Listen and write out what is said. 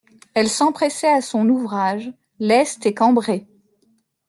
Elle s'empressait à son ouvrage, leste et cambrée.